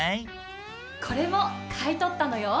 これも買い取ったのよ。